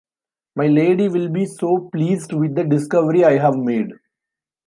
My lady will be so pleased with the discovery I have made.